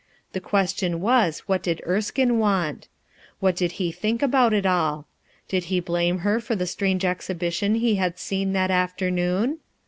The question was, What did ICrskine want? What did he think about it all? Did he blame her for the strange exhibition he liad seen that afternoon?